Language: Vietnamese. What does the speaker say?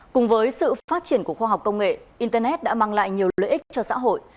cùng với sự phát triển của khoa học công nghệ internet đã mang lại nhiều lợi ích cho xã hội